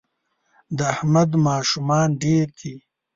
د احمد ماشومان ډېر دي